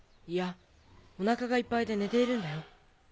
いやおなかがいっぱいで寝ているんだよ。